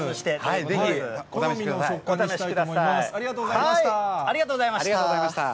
ぜひお試しください。